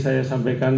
saya ingin menyampaikan